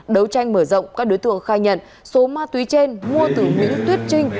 đấu tranh mở rộng các đối tượng khai nhận số ma túy trên mua từ nguyễn tuyết trinh